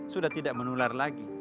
sudah tidak menular lagi